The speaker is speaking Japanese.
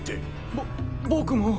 ぼ僕も。